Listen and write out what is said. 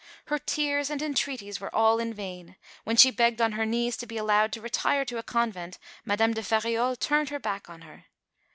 Her tears and entreaties were all in vain; when she begged on her knees to be allowed to retire to a convent Madame de Feriol turned her back on her.